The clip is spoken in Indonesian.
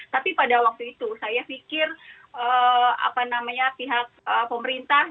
tapi pada waktu itu saya pikir pihak pemerintah